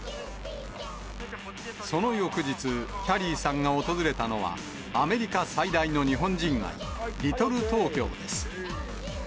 その翌日、きゃりーさんが訪れたのは、アメリカ最大の日本人街、リトル・トーキョーです。